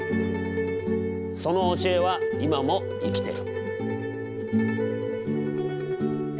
その教えは今も生きてる。